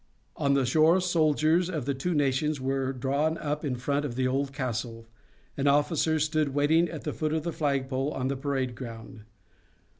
On the shore soldiers of the two nations were drawn up in front of the old castle, and officers stood waiting at the foot of the flagpole on the parade ground.